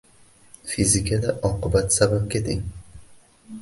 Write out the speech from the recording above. Fizikada oqibat sababga teng